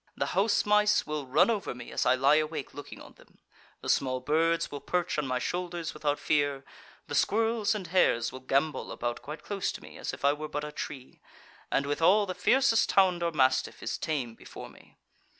The house mice will run over me as I lie awake looking on them; the small birds will perch on my shoulders without fear; the squirrels and hares will gambol about quite close to me as if I were but a tree; and, withal, the fiercest hound or mastiff is tame before me.